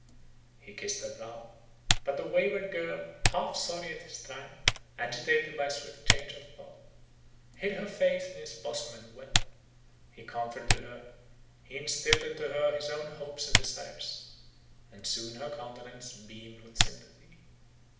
He kissed her brow—but the wayward girl, half sorry at his triumph, agitated by swift change of thought, hid her face in his bosom and wept. He comforted her; he instilled into her his own hopes and desires; and soon her countenance beamed with sympathy.